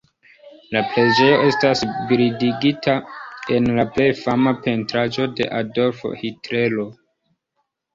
La preĝejo estas bildigita en la plej fama pentraĵo de Adolfo Hitlero.